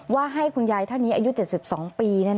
ว่าให้คุณยายท่านนี้อายุ๗๒ปี